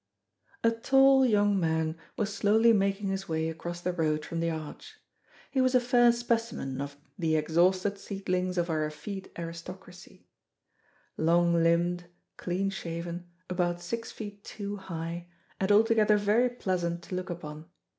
A tall, young man was slowly making his way across the road from the arch. He was a fair specimen of "the exhausted seedlings of our effete aristocracy" long limbed, clean shaven, about six feet two high, and altogether very pleasant to look upon.